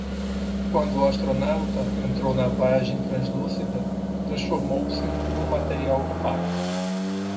Quando o astronauta entrou na vagem translúcida, transformou-se num material opaco.